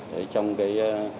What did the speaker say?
đấy trong cái